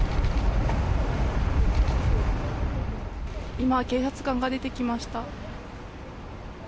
今、警察官が出てきました。